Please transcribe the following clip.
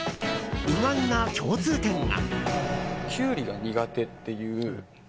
意外な共通点が。